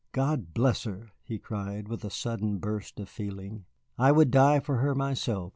God bless her!" he cried, with a sudden burst of feeling, "I would die for her myself.